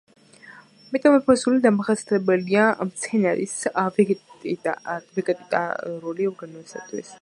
მეტამორფოზი დამახასიათებელია მცენარის ვეგეტატიური ორგანოსათვის.